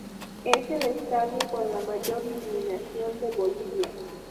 Es el estadio con la mejor iluminación de Bolivia.